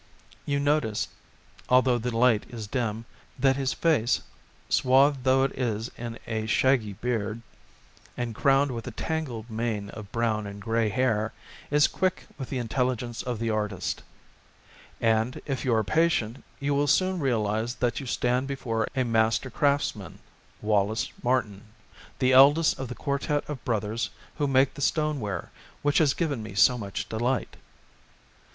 You notice, although the light is dim, that his face, swathed though it is in a shaggy beard, and crowned with a tangled mane of brown and grey hair, is quick with the intelligence of the artist ; and if you are patient, you will soon realise that you stand before a master craftsman â€" ^Wallace Martin, the eldest of the quartet of brothers who make the stoneware which has given me so much delight.